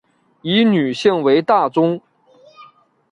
以女性为大宗